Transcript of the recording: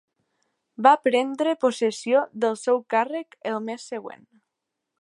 Va prendre possessió del seu càrrec el mes següent.